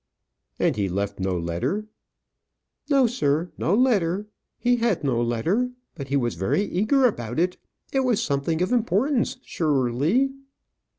"And he left no letter?" "No, sir; no letter. He had no letter; but he was very eager about it. It was something of importance sure ly."